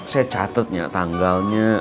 saya catetnya tanggalnya